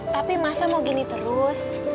tapi masa mau gini terus